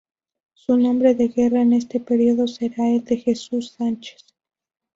Su nombre de guerra en este periodo será el de "Jesús Sánchez".